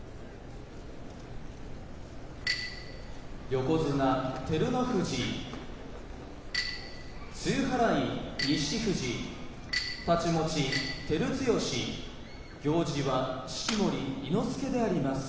横綱照ノ富士露払い錦富士太刀持ち照強行司は式守伊之助であります。